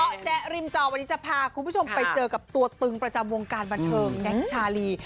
เพราะแจ๊ริมจอวันนี้จะพาคุณผู้ชมไปเจอกับตัวตึงประจำวงการบันเทิงแก๊กชาลี